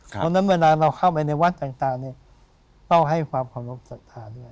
เพราะฉะนั้นเวลาเราเข้าไปในวัดต่างเนี่ยทำให้ความขอบค์ศัตรูสัตว์ด้วย